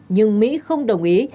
nhưng mỹ không đồng ý